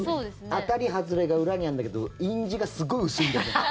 当たり外れが裏にあるんだけど印字がすごい薄いんだよね。